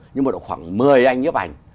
nhưng mà khoảng mười anh nhếp ảnh